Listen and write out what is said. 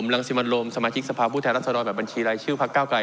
ท่านโรมไปไหนแล้ว